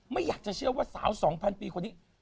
ไม่อยากจะเชื่อว่าสาว๒๐๐ปีคนนี้